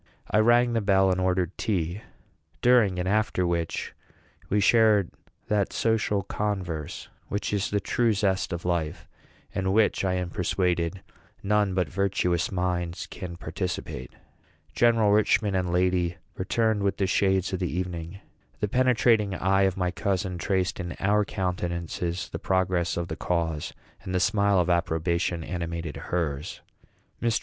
I rang the bell and ordered tea, during and after which we shared that social converse which is the true zest of life, and in which I am persuaded none but virtuous minds can participate. General Richman and lady returned with the shades of the evening. The penetrating eye of my cousin traced in our countenances the progress of the cause, and the smile of approbation animated hers. Mr.